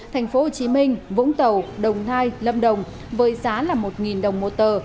thành phố hồ chí minh vũng tàu đồng nai lâm đồng với giá là một đồng một tờ